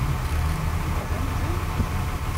Tɣaḍemt-ten?